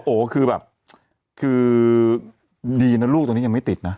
โอ้โหคือแบบคือดีนะลูกตอนนี้ยังไม่ติดนะ